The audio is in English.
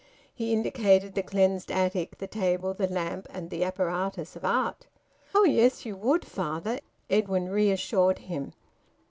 He indicated the cleansed attic, the table, the lamp, and the apparatus of art. "Oh yes, you would, father!" Edwin reassured him.